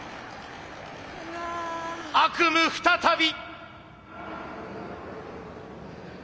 悪夢再び。